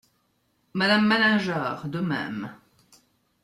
Madame Malingear , de même.